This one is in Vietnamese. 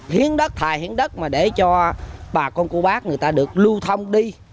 hiến đất thài hiến đất mà để cho bà con cô bác người ta được lưu thông đi